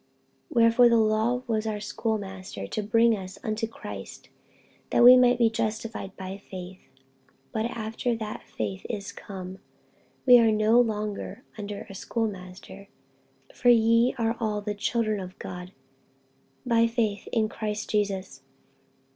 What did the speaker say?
48:003:024 Wherefore the law was our schoolmaster to bring us unto Christ, that we might be justified by faith. 48:003:025 But after that faith is come, we are no longer under a schoolmaster. 48:003:026 For ye are all the children of God by faith in Christ Jesus.